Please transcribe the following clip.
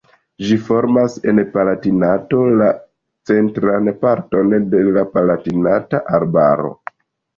Ĝi formas en Palatinato la centran parton de la Palatinata Arbaro.